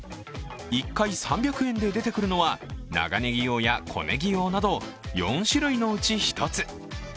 １回３００円で出てくるのは長ねぎ用や小ねぎ用など４種類のうち１つ。